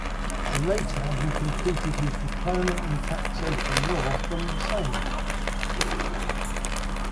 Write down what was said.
Later he completed his diploma in taxation law from the same.